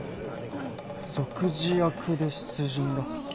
俗事役で出陣だ。